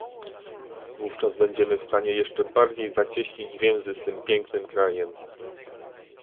Wówczas będziemy w stanie jeszcze bardziej zacieśnić więzy z tym pięknym krajem